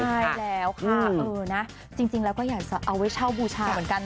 ใช่แล้วค่ะเออนะจริงแล้วก็อยากจะเอาไว้เช่าบูชาเหมือนกัน